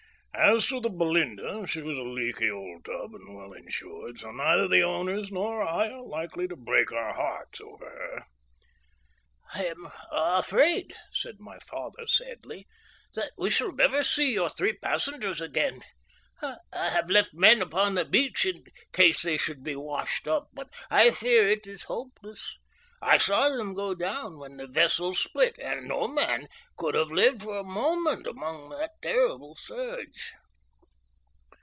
As to the Belinda, she was a leaky old tub and well insured, so neither the owners nor I are likely to break our hearts over her." "I am afraid," said my father sadly, "that we shall never see your three passengers again. I have left men upon the beach in case they should be washed up, but I fear it is hopeless. I saw them go down when the vessel split, and no man could have lived for a moment among that terrible surge."